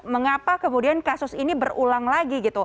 mengapa kemudian kasus ini berulang lagi gitu